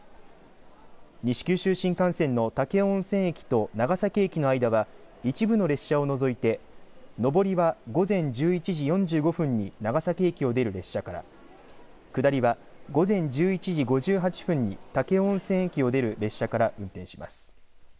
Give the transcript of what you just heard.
西九州新幹線の武雄温泉駅と長崎駅の間は一部の列車を除いて上りは午前１１時４５分に長崎駅を出る列車から下りは午前１１時５８分に武雄温泉駅を出る列車から運転します。